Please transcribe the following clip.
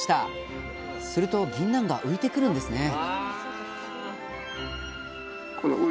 するとぎんなんが浮いてくるんですね